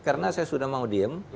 karena saya sudah mau diem